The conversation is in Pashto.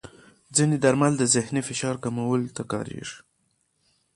ځینې درمل د ذهني فشار کمولو ته کارېږي.